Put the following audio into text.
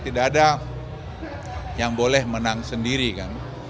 tidak ada yang boleh menang sendiri kan